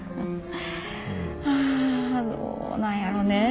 ああどうなんやろねえ。